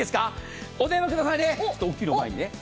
お電話くださいね。